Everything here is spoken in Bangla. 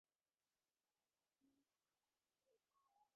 এইরূপ কথাবার্তা চলিতে চলিতে সকলে মঠভূমিতে উপস্থিত হইলেন।